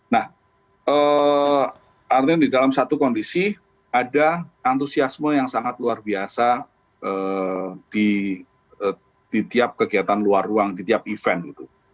nah artinya di dalam satu kondisi ada antusiasme yang sangat luar biasa di tiap kegiatan luar ruang di tiap event gitu